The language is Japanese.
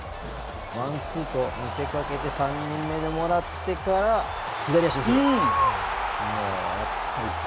ワンツーと見せかけて３人目でもらってから左足でシュート。